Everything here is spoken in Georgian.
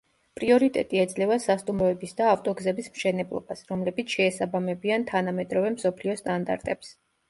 პრიორიტეტი ეძლევა სასტუმროების და ავტოგზების მშენებლობას, რომლებიც შეესაბამებიან თანამედროვე მსოფლიო სტანდარტებს.